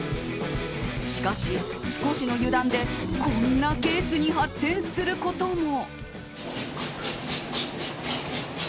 しかし、少しの油断でこんなケースに発展することも。